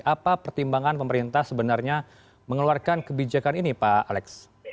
apa pertimbangan pemerintah sebenarnya mengeluarkan kebijakan ini pak alex